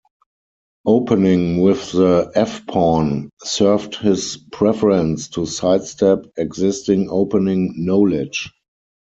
Opening with the f-pawn served his preference to sidestep existing opening knowledge.